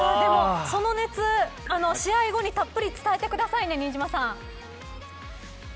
その熱を試合後にたっぷりお伝えしてくださいね